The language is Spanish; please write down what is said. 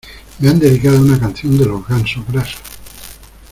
¡Me han dedicado una canción de los Gansos Grasas!